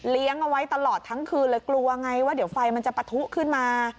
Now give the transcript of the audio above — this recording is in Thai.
เอาไว้ตลอดทั้งคืนเลยกลัวไงว่าเดี๋ยวไฟมันจะปะทุขึ้นมา